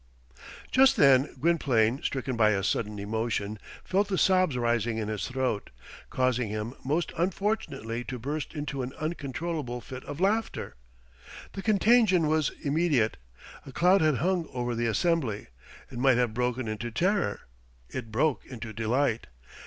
Just then Gwynplaine, stricken by a sudden emotion, felt the sobs rising in his throat, causing him, most unfortunately, to burst into an uncontrollable fit of laughter. The contagion was immediate. A cloud had hung over the assembly. It might have broken into terror; it broke into delight.